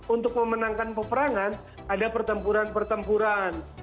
untuk memenangkan peperangan ada pertempuran pertempuran